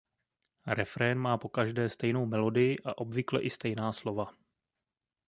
Refrén má pokaždé stejnou melodii a obvykle i stejná slova.